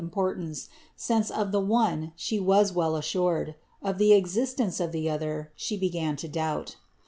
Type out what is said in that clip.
imporUnU) since of the one she was well assured — of the exiaience of ih« «' she began to doubl.